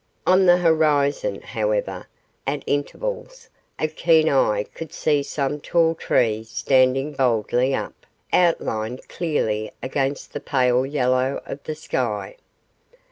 On the horizon, however, at intervals, a keen eye could see some tall tree standing boldly up, outlined clearly against the pale yellow of the sky.